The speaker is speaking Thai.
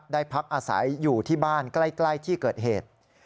ได้พักอาศัยอยู่ที่บ้านใกล้ที่เกิดเหตุ